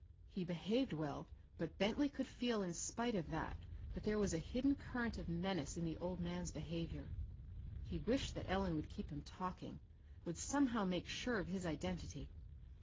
He behaved well, but Bentley could feel in spite of that, that there was a hidden current of menace in the old man's behavior. He wished that Ellen would keep him talking, would somehow make sure of his identity.